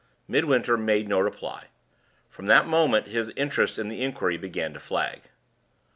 Midwinter made no reply. From that moment his interest in the inquiry began to flag.